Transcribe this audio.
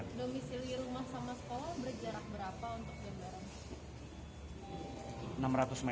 domisili rumah sama sekolah berjarak berapa untuk jam jarak